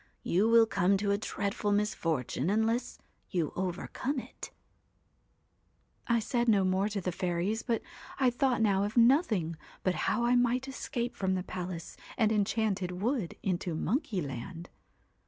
You will come to a dreadful misfortune unless you overcome it" I' said no more to the fairies, but I thought now of nothing but how I might escape from the palace and enchanted wood into Monkeyland.